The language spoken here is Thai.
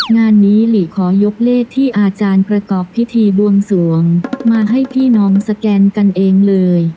งานนี้หลีขอยกเลขที่อาจารย์ประกอบพิธีบวงสวงมาให้พี่น้องสแกนกันเองเลย